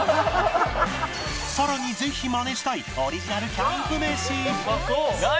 更にぜひマネしたいオリジナルキャンプ飯何？